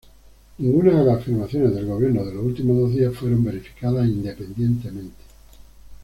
Ninguna de las afirmaciones del gobierno de los últimos dos días fueron verificadas independientemente.